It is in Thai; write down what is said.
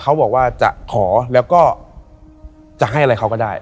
เขาบอกว่าจะขอแล้วก็จะให้อะไรเขาก็ได้